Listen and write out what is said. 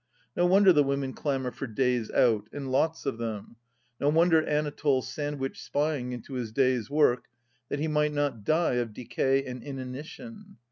No wonder the women clamour for " days out," and lots of them; no wonder Anatole sandwiched spying into his day's work, that he might not die of decay and inanition